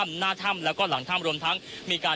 คุณทัศนาควดทองเลยค่ะ